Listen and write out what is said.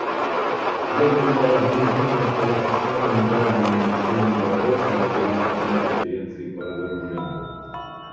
Ядерное разоружение остается самым давним нерешенным вопросом на повестке дня Конференции по разоружению.